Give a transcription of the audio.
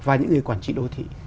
và những người quản trị đô thị